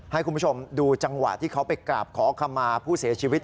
ให้คุณผู้ชมดูจังหวะที่เขาไปกราบขอขมาผู้เสียชีวิต